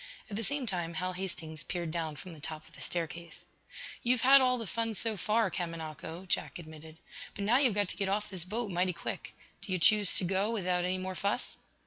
At the same time Hal Hastings peered down from the top of the staircase. "You've had all the fun so far, Kamanako," Jack admitted. "But now you've got to get off this boat mighty quick. Do you choose to go without any more fuss?"